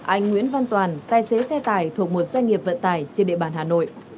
anh nguyễn văn toàn tài xế xe tải thuộc một doanh nghiệp vận tải trên địa bàn hà nội